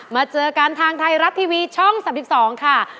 มาเจอกันทางไทยรัฐทีวีช่อง๓๒ค่ะ